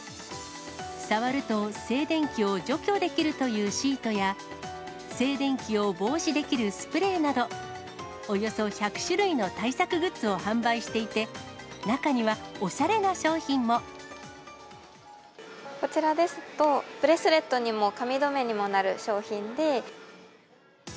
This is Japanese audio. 触ると静電気を除去できるというシートや、静電気を防止できるスプレーなど、およそ１００種類の対策グッズを販売していて、中には、おしゃれこちらですと、ブレスレットにも髪留めにもなる商品で。